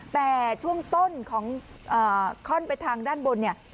แต่ช่วงต้นของค่อนไปทางด้านบนเนี่ย